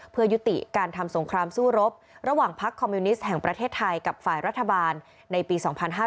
เพื่อยุติการทำสงครามสู้รบระหว่างพักคอมมิวนิสต์แห่งประเทศไทยกับฝ่ายรัฐบาลในปี๒๕๕๙